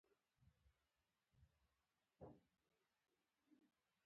• د موسیقۍ نندارې لپاره د سټېج ته نږدې کښېنه.